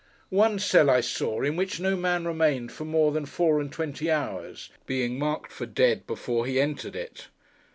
One cell, I saw, in which no man remained for more than four and twenty hours; being marked for dead before he entered it.